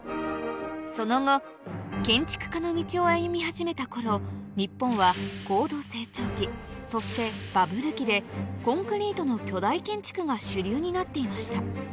その後建築家の道を歩み始めた頃日本は高度成長期そしてバブル期でコンクリートの巨大建築が主流になっていました